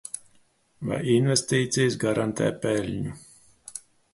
Vai investīcijas garantē peļņu?